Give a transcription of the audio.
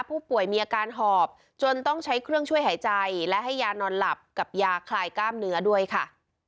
ผู้ป่วยมีอาการหอบจนต้องใช้เครื่องช่วยหายใจและให้ยานอนหลับกับยาคลายกล้ามเนื้อด้วยค่ะ